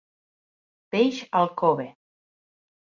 Peix al cove.